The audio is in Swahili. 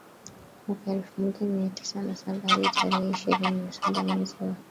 mwaka elfu moja mia tisa na saba hadi tarehe ishirini na saba mwezi wa